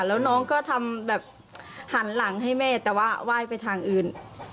แล้วน้องก็ทำแบบหันหลังให้แม่แต่ว่าไหว้ไปทางอื่น